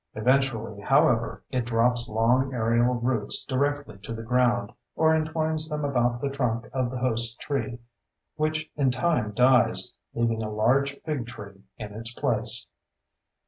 Eventually, however, it drops long aerial roots directly to the ground or entwines them about the trunk of the host tree—which in time dies, leaving a large fig tree in its place.